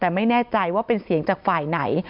แต่ไม่แน่ใจว่าเป็นเสียงจากฝ่ายไหน